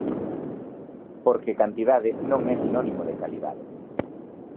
Porque cantidade non é sinónimo de calidade.